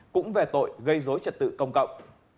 cũng về tội gây dối trật tự công cộng